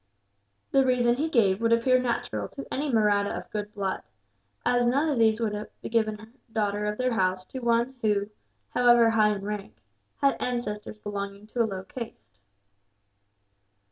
The reason he gave would appear natural to any Mahratta of good blood, as none of these would have given a daughter of their house to one who, however high in rank, had ancestors belonging to a low caste.